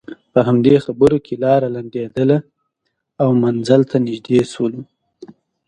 په همدې خبرو کې لاره لنډېده او منزل ته نژدې شول.